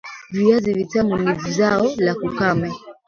viazi vitamu ni zao la ukame